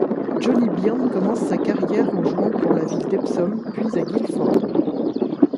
Johnny Byrne commence sa carrière en jouant pour la ville d'Epsom puis à Guildford.